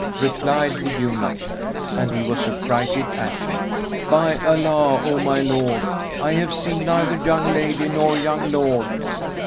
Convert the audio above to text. Replied the eunuch (and he was affrighted at him), "By Allah, O my lord, I have seen neither young lady nor young lord!"